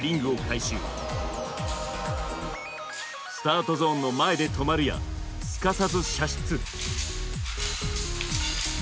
スタートゾーンの前で止まるやすかさず射出。